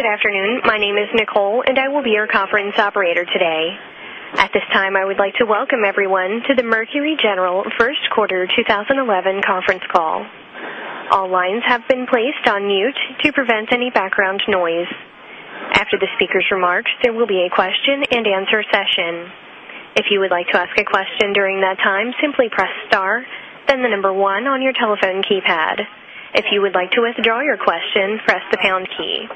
Good afternoon. My name is Nicole, and I will be your conference operator today. At this time, I would like to welcome everyone to the Mercury General first quarter 2011 conference call. All lines have been placed on mute to prevent any background noise. After the speaker's remarks, there will be a question and answer session. If you would like to ask a question during that time, simply press star, then the number one on your telephone keypad. If you would like to withdraw your question, press the pound key.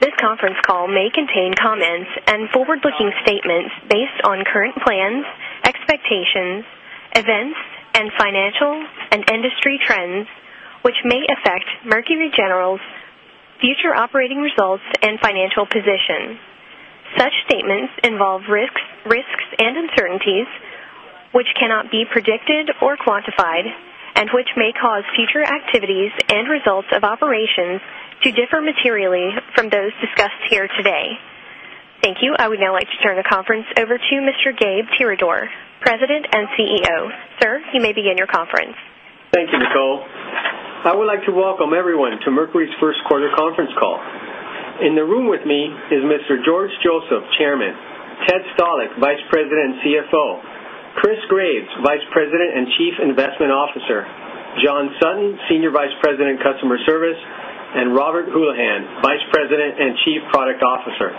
This conference call may contain comments and forward-looking statements based on current plans, expectations, events, and financial and industry trends, which may affect Mercury General's future operating results and financial position. Such statements involve risks and uncertainties which cannot be predicted or quantified, and which may cause future activities and results of operations to differ materially from those discussed here today. Thank you. I would now like to turn the conference over to Mr. Gabe Tirador, President and CEO. Sir, you may begin your conference. Thank you, Nicole. I would like to welcome everyone to Mercury's first quarter conference call. In the room with me is Mr. George Joseph, Chairman, Ted Stalick, Vice President and CFO, Chris Graves, Vice President and Chief Investment Officer, John Sutton, Senior Vice President of Customer Service, and Robert Houlihan, Vice President and Chief Product Officer.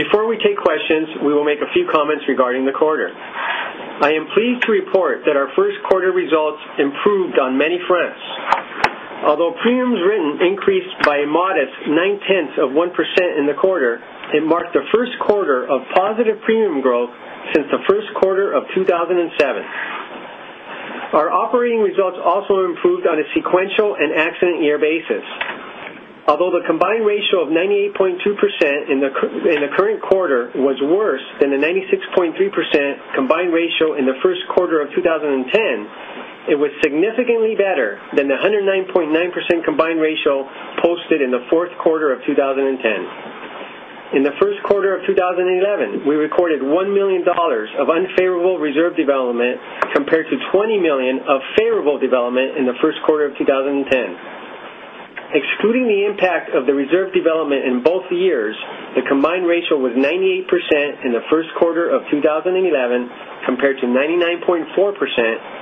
Before we take questions, we will make a few comments regarding the quarter. I am pleased to report that our first quarter results improved on many fronts. Although premiums written increased by a modest nine-tenths of 1% in the quarter, it marked the first quarter of positive premium growth since the first quarter of 2007. Our operating results also improved on a sequential and accident year basis. Although the combined ratio of 98.2% in the current quarter was worse than the 96.3% combined ratio in the first quarter of 2010, it was significantly better than the 109.9% combined ratio posted in the fourth quarter of 2010. In the first quarter of 2011, we recorded $1 million of unfavorable reserve development compared to $20 million of favorable development in the first quarter of 2010. Excluding the impact of the reserve development in both years, the combined ratio was 98% in the first quarter of 2011, compared to 99.4%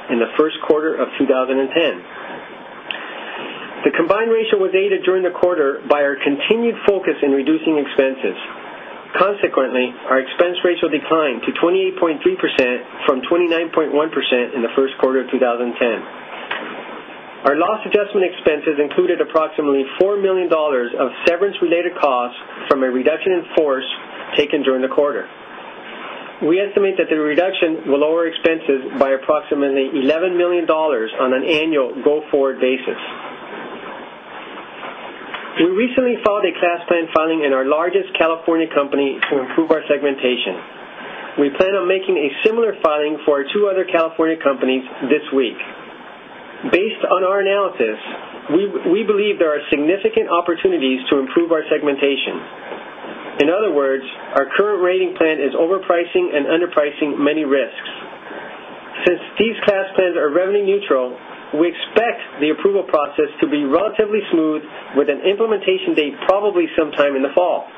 in the first quarter of 2010. The combined ratio was aided during the quarter by our continued focus in reducing expenses. Consequently, our expense ratio declined to 28.3% from 29.1% in the first quarter of 2010. Our loss adjustment expenses included approximately $4 million of severance-related costs from a reduction in force taken during the quarter. We estimate that the reduction will lower expenses by approximately $11 million on an annual go-forward basis. We recently filed a class plan filing in our largest California company to improve our segmentation. We plan on making a similar filing for our two other California companies this week. Based on our analysis, we believe there are significant opportunities to improve our segmentation. In other words, our current rating plan is overpricing and underpricing many risks. Since these class plans are revenue neutral, we expect the approval process to be relatively smooth, with an implementation date probably sometime in the fall.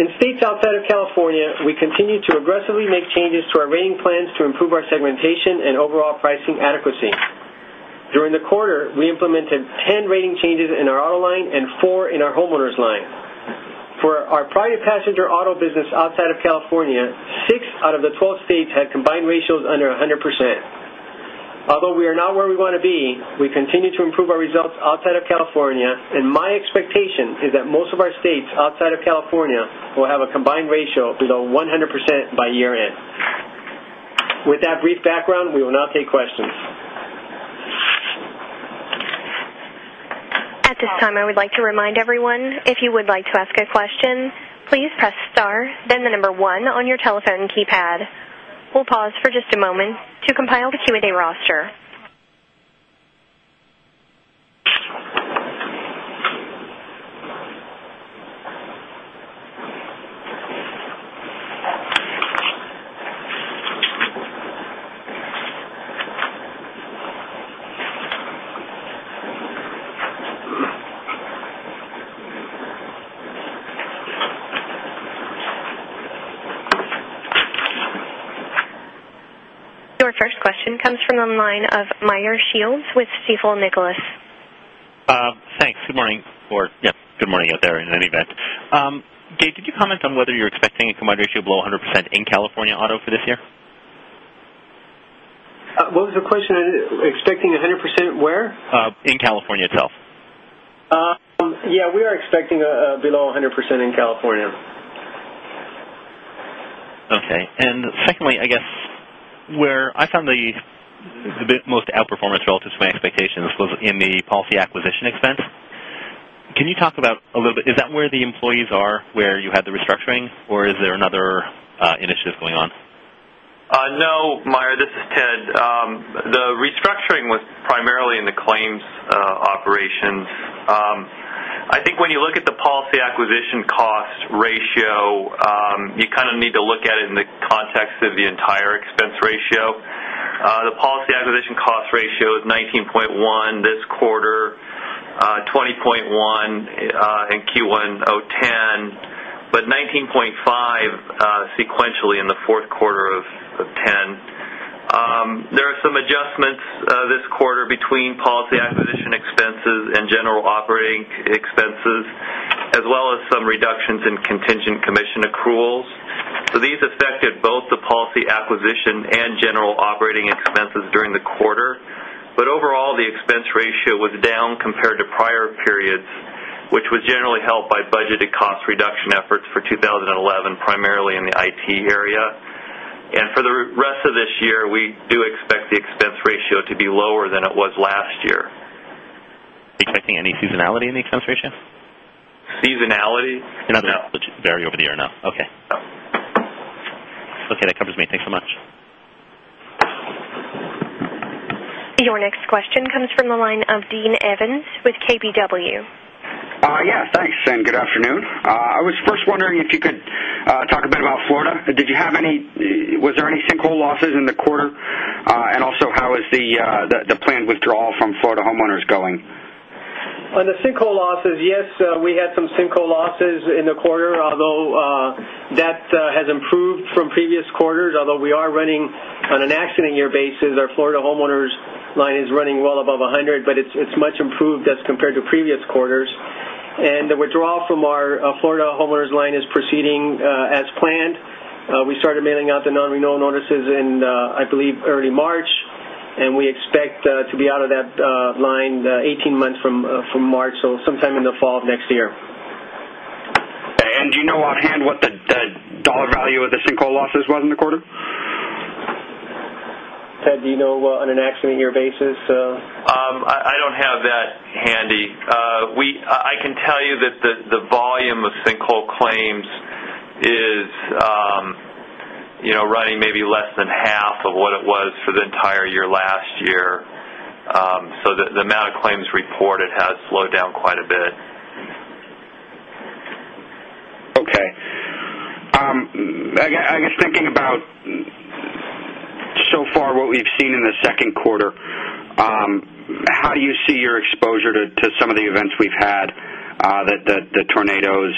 In states outside of California, we continue to aggressively make changes to our rating plans to improve our segmentation and overall pricing adequacy. During the quarter, we implemented 10 rating changes in our auto line and four in our homeowners line. For our private passenger auto business outside of California, six out of the 12 states had combined ratios under 100%. Although we are not where we want to be, we continue to improve our results outside of California, and my expectation is that most of our states outside of California will have a combined ratio below 100% by year-end. With that brief background, we will now take questions. At this time, I would like to remind everyone, if you would like to ask a question, please press star, then the number one on your telephone keypad. We'll pause for just a moment to compile the Q&A roster. Your first question comes from the line of Meyer Shields with Stifel Nicolaus. Thanks. Good morning, or, yeah, good morning out there in any event. Gabe, did you comment on whether you're expecting a combined ratio below 100% in California auto for this year? What was the question? Expecting 100% where? In California itself. Yeah, we are expecting below 100% in California. Okay. Secondly, I guess where I found the most outperformance relative to my expectations was in the policy acquisition expense. Can you talk about a little bit, is that where the employees are, where you had the restructuring, or is there another initiative going on? No, Meyer, this is Ted. The restructuring was primarily in the claims operations. I think when you look at the policy acquisition cost ratio, you kind of need to look at it in the context of the entire expense ratio. The policy acquisition cost ratio is 19.1% this quarter, 20.1% in Q1 2010, but 19.5% sequentially in the fourth quarter of 2010. There are some adjustments this quarter between policy acquisition expenses and general operating expenses, as well as some reductions in contingent commission accruals. These affected both the policy acquisition and general operating expenses during the quarter. Overall, the expense ratio was down compared to prior periods, which was generally helped by budgeted cost reduction efforts for 2011, primarily in the IT area. For the rest of this year, we do expect the expense ratio to be lower than it was last year. Are you expecting any seasonality in the expense ratio? Seasonality? No. You're not going to have it vary over the year? No. Okay. No. Okay, that covers me. Thank you so much. Your next question comes from the line of Dean Evans with KBW. Yeah, thanks, good afternoon. I was first wondering if you could talk a bit about Florida. Was there any sinkhole losses in the quarter? Also, how is the planned withdrawal from Florida Homeowners going? On the sinkhole losses, yes, we had some sinkhole losses in the quarter, although that has improved from previous quarters. Although we are running on an accident year basis, our Florida Homeowners line is running well above 100. It's much improved as compared to previous quarters. The withdrawal from our Florida Homeowners line is proceeding as planned. We started mailing out the non-renewal notices in, I believe, early March, and we expect to be out of that line 18 months from March, so sometime in the fall of next year. Do you know offhand what the dollar value of the sinkhole losses was in the quarter? Ted, do you know on an accident year basis? I don't have that handy. I can tell you that the volume of sinkhole claims is running maybe less than half of what it was for the entire year last year. The amount of claims reported has slowed down quite a bit. Okay. I guess thinking about so far what we've seen in the second quarter, how do you see your exposure to some of the events we've had, the tornadoes,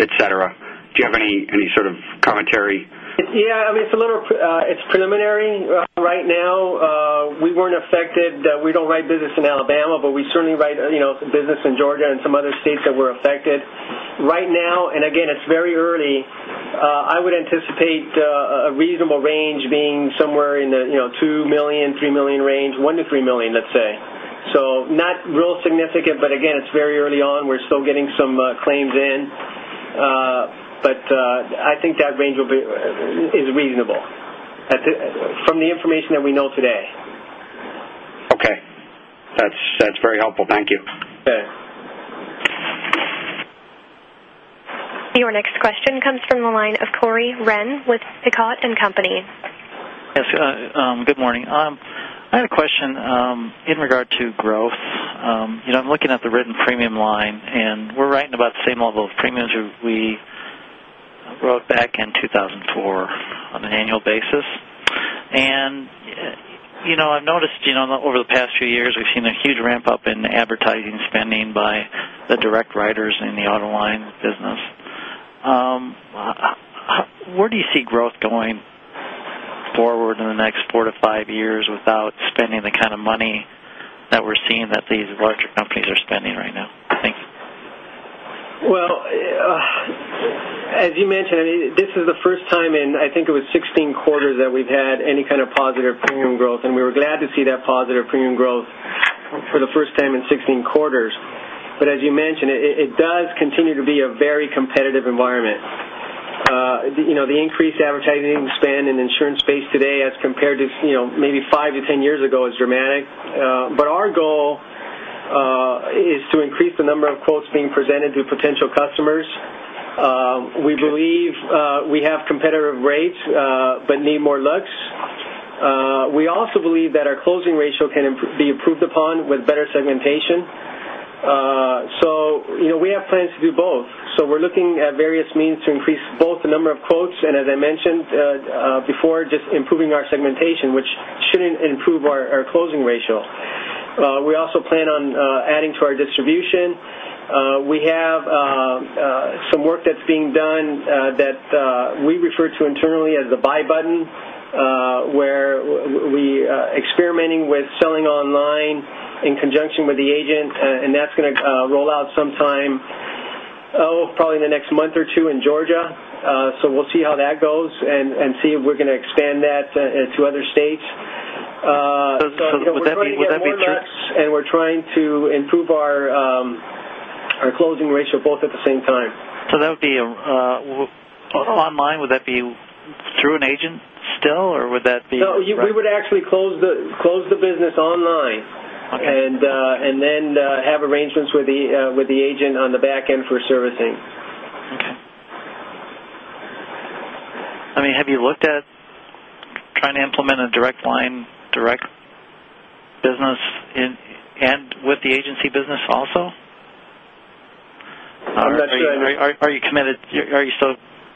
et cetera? Do you have any sort of commentary? Yeah. It's preliminary right now. We weren't affected. We don't write business in Alabama, but we certainly write business in Georgia and some other states that were affected. Right now, and again, it's very early, I would anticipate a reasonable range being somewhere in the $2 million, $3 million range. $1 million-$3 million, let's say. Not real significant, but again, it's very early on. We're still getting some claims in. I think that range is reasonable from the information that we know today. Okay. That is very helpful. Thank you. Okay. Your next question comes from the line of Corey Wrenn with Pecaut & Company. Yes. Good morning. I had a question in regard to growth. I am looking at the written premium line, and we are writing about the same level of premiums we wrote back in 2004 on an annual basis. I have noticed over the past few years, we have seen a huge ramp-up in advertising spending by the direct writers in the auto line business. Where do you see growth going forward in the next four to five years without spending the kind of money that we are seeing that these larger companies are spending right now? Thank you. Well, as you mentioned, this is the first time in, I think it was 16 quarters that we have had any kind of positive premium growth, and we were glad to see that positive premium growth for the first time in 16 quarters. As you mentioned, it does continue to be a very competitive environment. The increased advertising spend in the insurance space today as compared to maybe five to 10 years ago is dramatic. Our goal is to increase the number of quotes being presented to potential customers. We believe we have competitive rates but need more looks. We also believe that our closing ratio can be improved upon with better segmentation. We have plans to do both. We are looking at various means to increase both the number of quotes, and as I mentioned before, just improving our segmentation, which should improve our closing ratio. We also plan on adding to our distribution. We have some work that's being done that we refer to internally as the buy button, where we are experimenting with selling online in conjunction with the agent. That's going to roll out sometime, probably in the next month or two in Georgia. We'll see how that goes and see if we're going to expand that to other states. Would that be- We're trying to get more looks, and we're trying to improve our closing ratio both at the same time. That would be online. Would that be through an agent still? Or would that be direct? No. We would actually close the business online. Okay. Have arrangements with the agent on the back end for servicing. Okay. Have you looked at trying to implement a direct line, direct business and with the agency business also? Are you still committed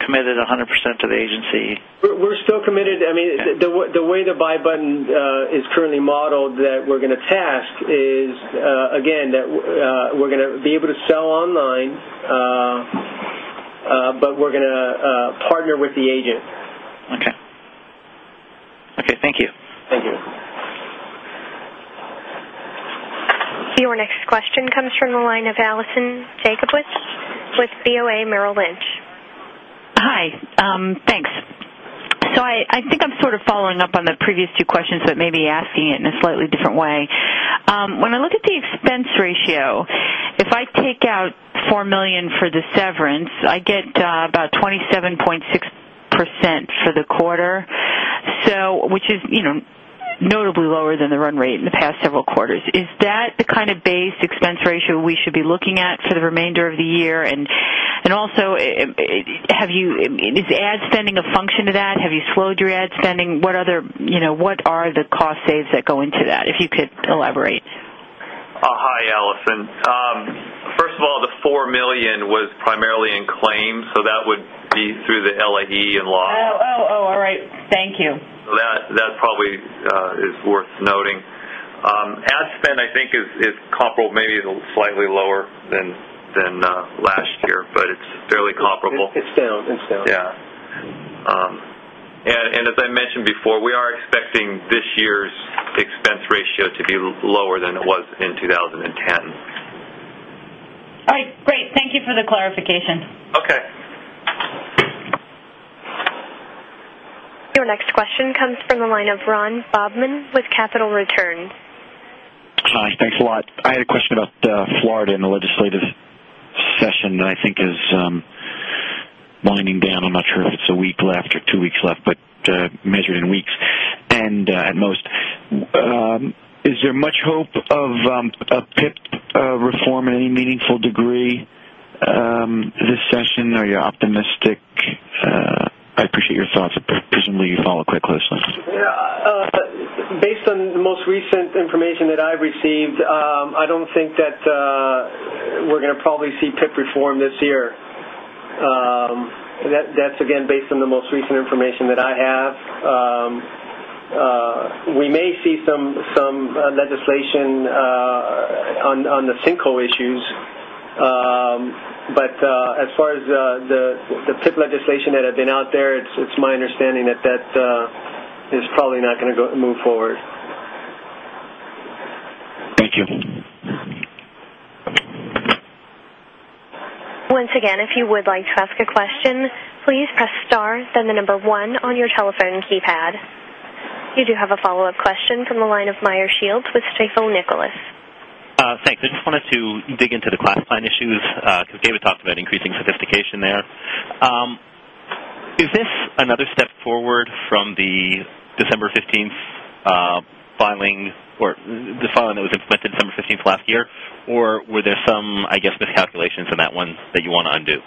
100% to the agency? We're still committed. The way the buy button is currently modeled that we're going to task is, again, that we're going to be able to sell online, but we're going to partner with the agent. Okay. Thank you. Thank you. Your next question comes from the line of Allison Jakubik with BofA Merrill Lynch. Hi. Thanks. I think I'm sort of following up on the previous two questions but maybe asking it in a slightly different way. When I look at the expense ratio, if I take out $4 million for the severance, I get about 27.6% for the quarter, which is notably lower than the run rate in the past several quarters. Is that the kind of base expense ratio we should be looking at for the remainder of the year? Also, is ad spending a function of that? Have you slowed your ad spending? What are the cost saves that go into that, if you could elaborate? Hi, Allison. First of all, the $4 million was primarily in claims, so that would be through the LAE and ULAE. All right. Thank you. That probably is worth noting. Ad spend I think is comparable, maybe slightly lower than last year, but it's fairly comparable. It's down. Yeah. As I mentioned before, we are expecting this year's expense ratio to be lower than it was in 2010. All right, great. Thank you for the clarification. Okay. Your next question comes from the line of Ron Bobman with Capital Returns. Hi. Thanks a lot. I had a question about Florida and the legislative session that I think is winding down. I'm not sure if it's one week left or two weeks left, but measured in weeks at most. Is there much hope of PIP reform in any meaningful degree this session? Are you optimistic? I appreciate your thoughts. Presumably, you follow quite closely. Based on the most recent information that I've received, I don't think that we're going to probably see PIP reform this year. That's again based on the most recent information that I have. We may see some legislation on the sinkhole issues. As far as the PIP legislation that had been out there, it's my understanding that is probably not going to move forward. Thank you. Once again, if you would like to ask a question, please press star, then the number one on your telephone keypad. You do have a follow-up question from the line of Meyer Shields with Stifel Nicolaus. Thanks. I just wanted to dig into the class plan issues because Gabriel talked about increasing sophistication there. Is this another step forward from the December 15th filing or the filing that was implemented December 15th last year? Or were there some, I guess, miscalculations in that one that you want to undo?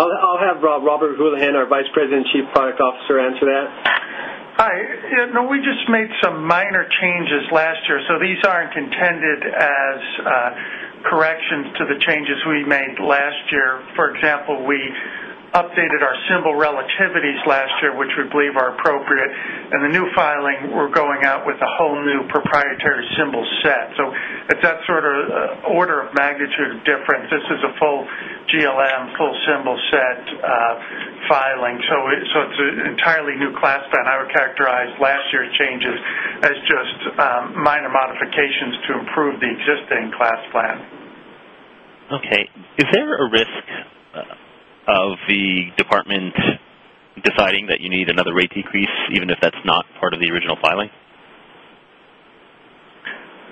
I'll have Robert Houlihan, our Vice President, Chief Product Officer, answer that. Hi. No, we just made some minor changes last year, these aren't intended as corrections to the changes we made last year. For example, we updated our symbol relativities last year, which we believe are appropriate. In the new filing, we're going out with a whole new proprietary symbol set. It's that sort of order of magnitude of difference. This is a full GLM, full symbol set filing. It's an entirely new class plan. I would characterize last year's changes as just minor modifications to improve the existing class plan. Okay. Is there a risk of the department deciding that you need another rate decrease even if that's not part of the original filing?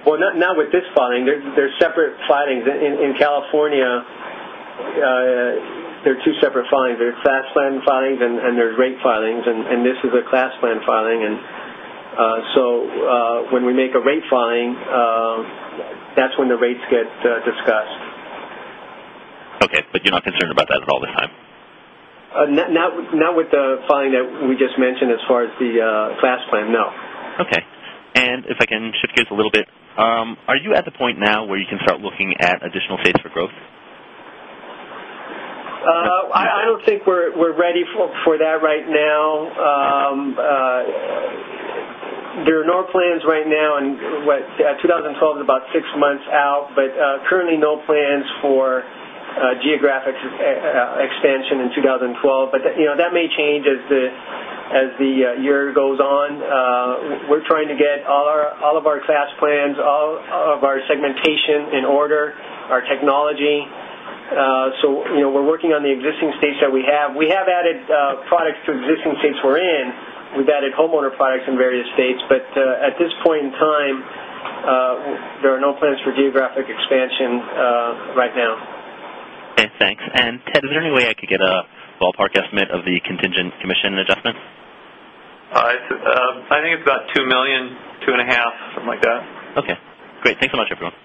Well, not with this filing. They are separate filings. In California, there are two separate filings. There are class plan filings, and there are rate filings, and this is a class plan filing. So when we make a rate filing, that is when the rates get discussed. Okay. You are not concerned about that at all this time? Not with the filing that we just mentioned as far as the class plan, no. Okay. If I can shift gears a little bit, are you at the point now where you can start looking at additional states for growth? I don't think we're ready for that right now. There are no plans right now. 2012 is about six months out, but currently no plans for geographic expansion in 2012. That may change as the year goes on. We're trying to get all of our class plans, all of our segmentation in order, our technology. We're working on the existing states that we have. We have added products to existing states we're in. We've added homeowner products in various states. At this point in time, there are no plans for geographic expansion right now. Okay, thanks. Ted, is there any way I could get a ballpark estimate of the contingent commission adjustments? I think it's about $2 million, $2.5, something like that. Okay. Great. Thanks so much, everyone.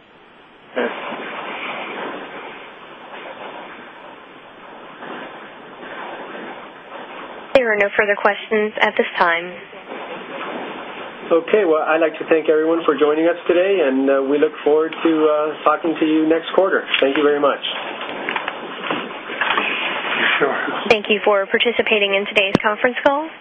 There are no further questions at this time. Okay. Well, I'd like to thank everyone for joining us today, and we look forward to talking to you next quarter. Thank you very much. Sure. Thank you for participating in today's conference call.